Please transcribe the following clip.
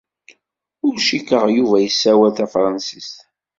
Ur cikkeɣ Yuba yessawal tafṛensist.